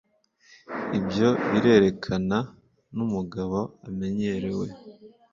"Ibyo birerekana" mumagambo amenyerewe